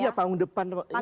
iya panggung depannya